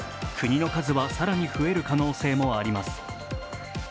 国の数は更に増える可能性もあります。